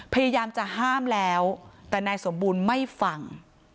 พยายามจะห้ามแล้วแต่นายสมบูรณ์ไม่ฟัง